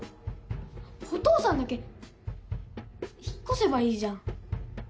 お父さんだけ引っ越せばいいじゃん。